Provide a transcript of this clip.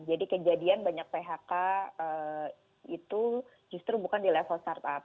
jadi kejadian banyak phk itu justru bukan di level startup